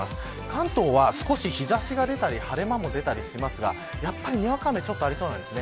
関東は少し日差しが出たり晴れ間も出たりしますがやっぱりにわか雨が理想です。